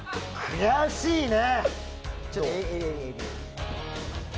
悔しいね。